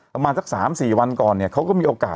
ประมาณสัก๓๔วันก่อนเนี่ยเขาก็มีโอกาส